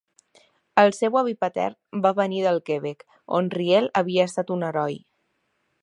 El seu avi patern va venir del Quebec, on Riel havia estat un heroi.